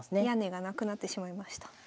屋根が無くなってしまいました。